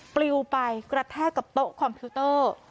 ปลิวไปกระแทกกับโต๊ะคอมพิวเตอร์